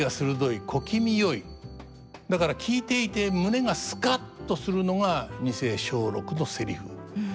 だから聞いていて胸がスカッとするのが二世松緑のせりふ。